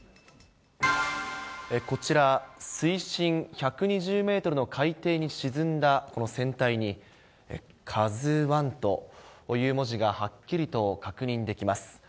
こちら、水深１２０メートルの海底に沈んだこの船体に、カズワンという文字がはっきりと確認できます。